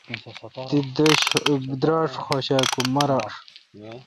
تی دراش خوش آں کہ ماراش؟